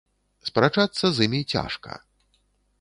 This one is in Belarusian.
Спрачацца з імі цяжка.